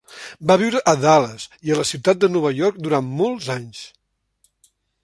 Va viure a Dallas i a la ciutat de Nova York durant molts anys.